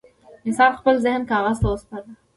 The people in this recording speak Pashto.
انسان خپل ذهن کاغذ ته وسپاره.